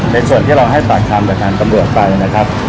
ในส่วนที่เราให้ฝากทำจากการตำรวจไปนะครับ